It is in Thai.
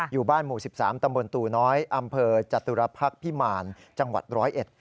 อยู่บ้านหมู่๑๓ตำบลตู่น้อยอำเภอจตุรพักษ์พิมารจังหวัดร้อยเอ็ด